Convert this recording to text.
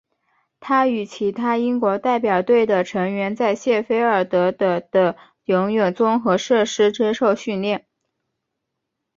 他与其他英国代表队的成员在谢菲尔德的的游泳综合设施接受训练。